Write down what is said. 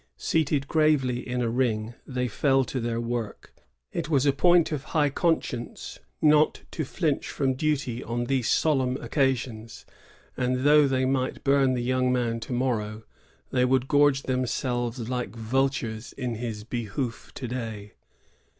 Seated gravely in a ring, they fell to their work. It was a point of high conscience not to flinch from duty on these solemn occasions; and though they might bum the young man to morrow, they would gorge them selves like vultures in his behoof to day.